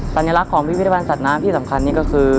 สัญลักษณ์ของพิพิธภัณฑ์สัตว์น้ำที่สำคัญนี่ก็คือ